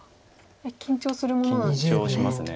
緊張するものなんですね。